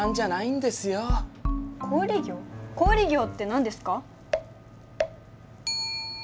小売業って何ですか？